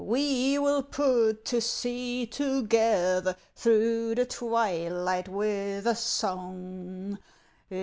We will put to sea together Through the twilight with a song.